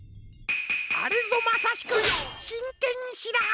あれぞまさしくしんけんしらはどり！